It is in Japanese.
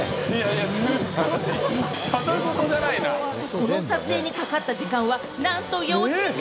この撮影にかかった時間は、なんと４時間！